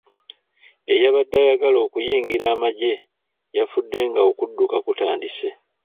Eyabadde ayagala okuyingira amagye yafudde nga okudduka kutandise.